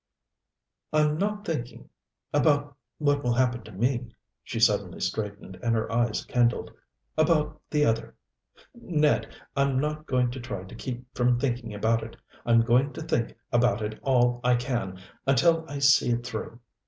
"I'm not thinking about what will happen to me." She suddenly straightened, and her eyes kindled. "About the other Ned, I'm not going to try to keep from thinking about it. I'm going to think about it all I can, until I see it through.